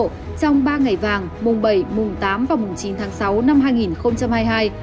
trong ba ngày vàng mùng bảy mùng tám và mùng chín tháng sáu năm hai nghìn hai mươi hai